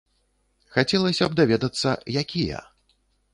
Хацелася б даведацца, якія.